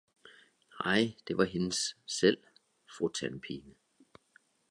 Nej, det var hendes selv, fru Tandpine!